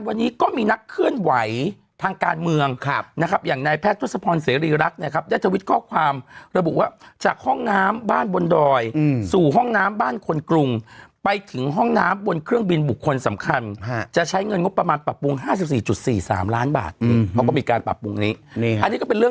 วันนี้ก็มีนักเคลื่อนไหวทางการเมืองครับนะครับอย่างนายแพทย์ทดสปอนเสรีรีรักษณ์เนี้ยครับได้ทวิทย์ข้อความระบุว่าจากห้องน้ำบ้านบนดอยอืมสู่ห้องน้ำบ้านคนกรุงไปถึงห้องน้ำบนเครื่องบินบุคคลสำคัญฮะจะใช้เงินงบประมาณปรับปรุงห้าสิบสี่จุดสี่สามล้านบาทอืมเขาก็มีการปรับปรุง